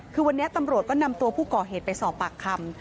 คือวันนี้ตำรวจก็นำตัวผู้ก่อเหตุไปสอบปากคำ